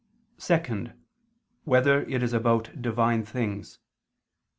(2) Whether it is about Divine things?